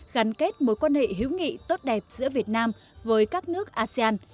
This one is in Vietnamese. gắn kết mối quan hệ hữu nghị tốt đẹp giữa việt nam với các nước asean